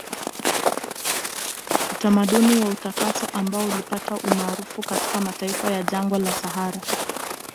Utamaduni wa utakaso ambao ulipata umaarufu katika mataifa ya jangwa la sahara